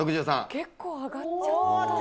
結構上がっちゃった。